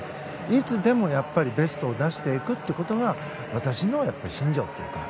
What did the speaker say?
いつでもベストを出していくということが私の信条というか。